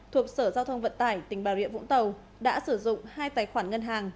thuộc sở giao thông vận tải tỉnh bà rịa vũng tàu đã sử dụng hai tài khoản ngân hàng